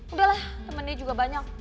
udah lah temennya juga banyak